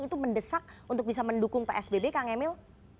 itu mendesak untuk bisa mendukung psbb kang emil